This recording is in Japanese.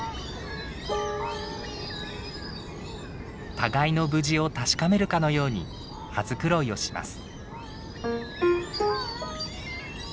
互いの無事を確かめるかのように羽繕いをします。